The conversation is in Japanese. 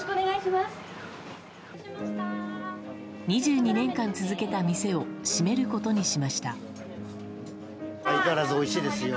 ２２年間続けた店を閉めることにしました。